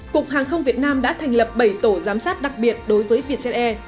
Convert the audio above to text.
cục hàng không việt nam đã thành lập bảy tổ giám sát đặc biệt đối với vietjet air